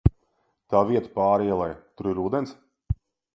Tā vieta pāri ielai, tur ir ūdens?